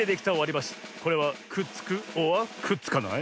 これはくっつくｏｒくっつかない？